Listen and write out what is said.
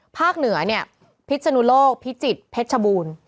พากเหนือเนี่ยพิชนุโลกพิจิตรเพชต์ชะบูล